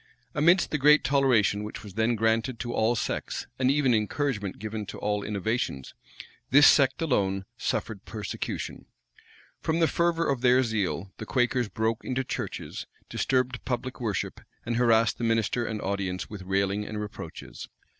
Amidst the great toleration which was then granted to all sects, and even encouragement given to all innovations, this sect alone suffered persecution. From the fervor of their zeal, the Quakers broke into churches, disturbed public worship, and harassed the minister and audience with railing and reproaches.